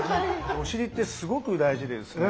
お尻ってすごく大事でですね